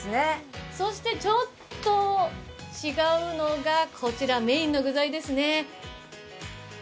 ちょっと違うのがこちら、メインの具材ですね。